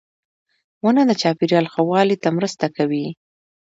• ونه د چاپېریال ښه والي ته مرسته کوي.